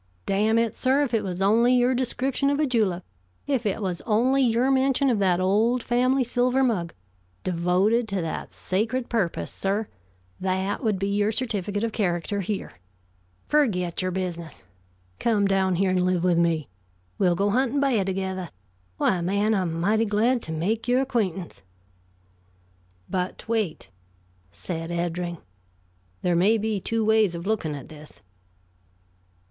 "Damn it, sir, if it was only your description of a julep, if it was only your mention of that old family silver mug, devoted to that sacred purpose, sir that would be your certificate of character here. Forget your business. Come down here and live with me. We'll go huntin' ba'h together. Why, man, I'm mighty glad to make your acquaintance." "But wait," said Eddring, "there may be two ways of looking at this."